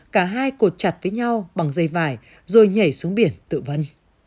cả hai cột chặt với nhau bằng dây vải rồi nhảy xuống biển tự vân